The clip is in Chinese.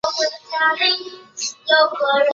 疣柄美喙藓为青藓科美喙藓属下的一个种。